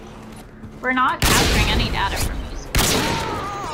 We're not capturing any data from users.